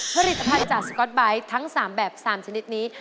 ผลิตภัณฑ์จากสก๊อตไบท์ทั้ง๓แบบ๓ชนิดนี้